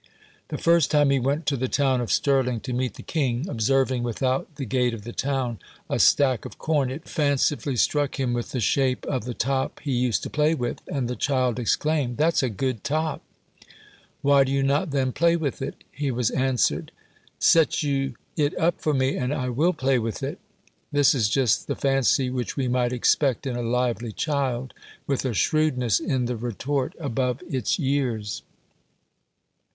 The first time he went to the town of Stirling, to meet the king, observing without the gate of the town a stack of corn, it fancifully struck him with the shape of the top he used to play with, and the child exclaimed, "That's a good top." "Why do you not then play with it?" he was answered. "Set you it up for me, and I will play with it." This is just the fancy which we might expect in a lively child, with a shrewdness in the retort above its years.